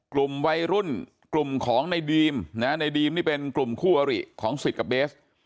กลุ่มวัยรุ่นกลุ่มของในดีมนะในดีมนี่เป็นกลุ่มคู่อริของสิทธิ์กับเบส